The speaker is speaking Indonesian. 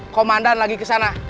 komandan lagi kesana